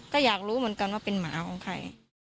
ก็อยากรู้เหมือนกันว่าเป็นหมาของใคร